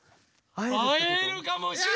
あえるかもしれない！